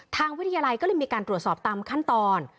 วิทยาลัยก็เลยมีการตรวจสอบตามขั้นตอน